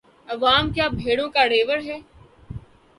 عوام کیا بھیڑوں کا ریوڑ ہے؟